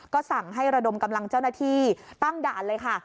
ก็สั่งให้ระดมกำลังเจ้าหน้าที่ตั้งด่านเลยค่ะ